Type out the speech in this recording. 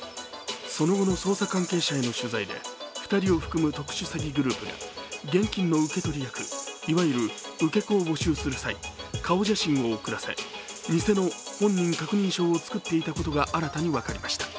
その後の捜査関係者への取材で２人を含む特殊詐欺グループ、現金の受け取り役、いわゆる受け子を募集する際、顔写真を送らせ、にせの本人確認証を作っていたことが新たに分かりました。